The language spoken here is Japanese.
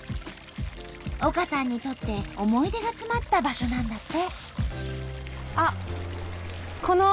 丘さんにとって思い出が詰まった場所なんだって。